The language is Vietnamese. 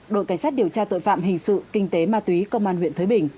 đội cảnh sát điều tra tội phạm hình sự kinh tế ma túy công an huyện thới bình